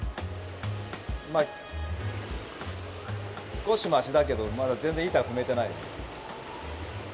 少しマシだけどまだ全然板踏めてないよ。